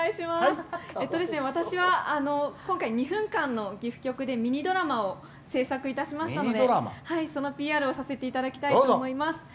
私は、今回２分間の岐阜局でミニドラマを制作いたしましたのでそのＰＲをさせていただきたいと思います。